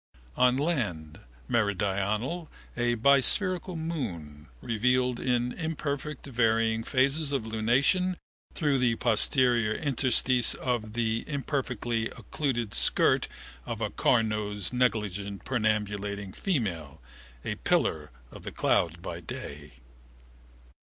On land, meridional, a bispherical moon, revealed in imperfect varying phases of lunation through the posterior interstice of the imperfectly occluded skirt of a carnose negligent perambulating female, a pillar of the cloud by day.